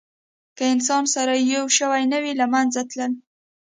که انسانان سره یو شوي نه وی، له منځه تلل.